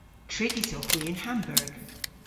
Trigys owgh hwi yn Hamburg.